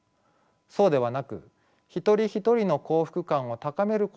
そうではなく一人一人の幸福感を高めることを主眼に置くのです。